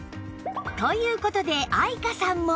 という事で愛華さんも